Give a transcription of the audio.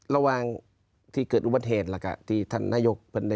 ระหว่างที่เกิดอุบัติเหตุแล้วก็ที่ท่านนายก